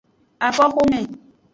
Afoxome.